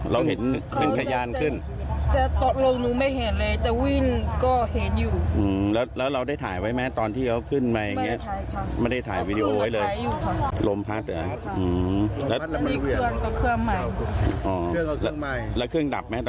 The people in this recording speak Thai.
แล้วเครื่องดับไหมตอนนั้นไม่ดับหรือ